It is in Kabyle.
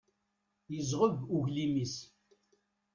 Yezɣeb uglim-is.